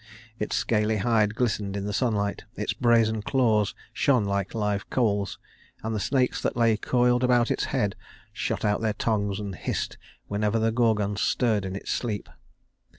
Its scaly hide glistened in the sunlight, its brazen claws shone like live coals, and the snakes that lay coiled around its head shot out their tongues and hissed whenever the Gorgon stirred in its sleep.